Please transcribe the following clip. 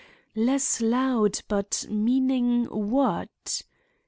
—less loud, but meaning what?